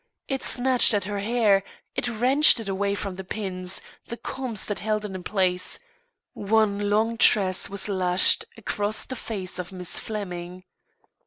It snatched at her hair, it wrenched it away from the pins, the combs that held it in place; one long tress was lashed across the face of Miss Flemming.